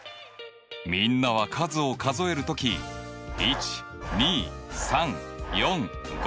みんなは数を数える時１２３４５